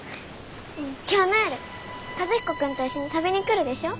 今日の夜和彦君と一緒に食べに来るでしょ。